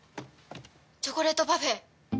チョコレートパフェ。